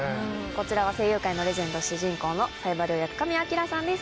こちらは声優界のレジェンド主人公の冴羽役神谷明さんです